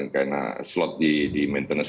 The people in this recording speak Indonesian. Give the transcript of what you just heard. karena slot di maintenance